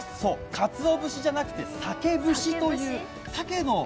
かつお節じゃなくて、鮭節という。